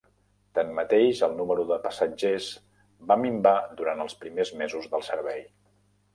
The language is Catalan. Tanmateix, el número de passatgers va minvar durant els primers mesos del servei.